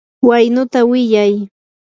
waynuta wiyay.